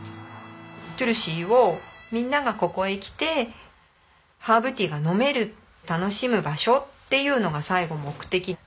トゥルシーをみんながここへ来てハーブティーが飲める楽しむ場所っていうのが最後目的。